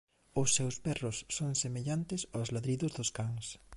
Os seus berros son semellantes ós ladridos dos cans.